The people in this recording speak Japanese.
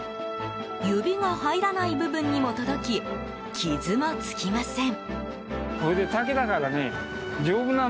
指が入らない部分にも届き傷もつきません。